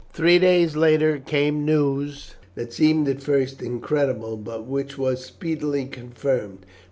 Three days later came news that seemed at first incredible, but which was speedily confirmed.